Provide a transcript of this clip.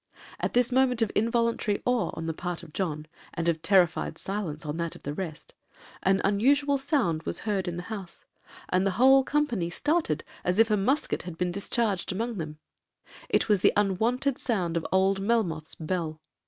At this moment of involuntary awe on the part of John, and of terrified silence on that of the rest, an unusual sound was heard in the house, and the whole company started as if a musket had been discharged among them:—it was the unwonted sound of old Melmoth's bell.